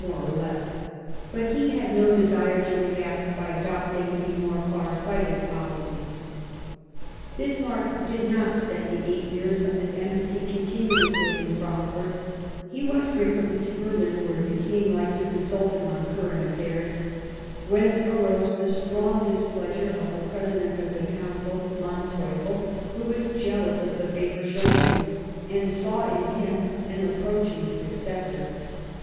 ore or less, but he had no desire to react by adopting a more far sighted policy." Bismarck did not spend the eight years of his Embassy continuously in Frankfort ; he went frequently to Berlin, where the King liked to consult him on current affairs ; whence arose the strong displeasure of the President of the Council, Manteuf fel, who was jealous of the favour shown him and saw in him an approaching successor.